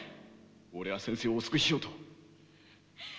俺は先生をお救いしようと。